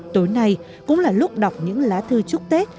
tối nay cũng là lúc đọc những lá thư chúc tết